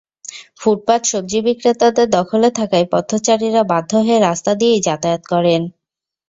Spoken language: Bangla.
ফুটপাত সবজি বিক্রেতাদের দখলে থাকায় পথচারীরা বাধ্য হয়ে রাস্তা দিয়েই যাতায়াত করেন।